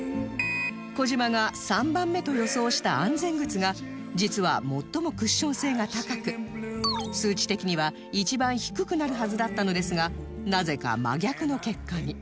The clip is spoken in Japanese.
児嶋が３番目と予想した安全靴が実は最もクッション性が高く数値的には一番低くなるはずだったのですがなぜか真逆の結果に